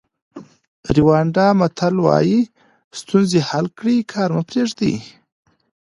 ریوانډا متل وایي ستونزې حل کړئ کار مه پریږدئ.